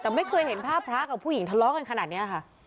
แต่ไม่เคยเห็นภาพพระกับผู้หญิงทะเลาะกันขนาดนี้ค่ะ